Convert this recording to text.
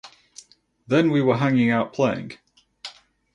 Then we were hanging out playing.